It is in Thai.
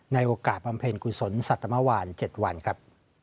ในโอกาสบำเภนกุศลสัตว์เมื่อวาน๗วันครับ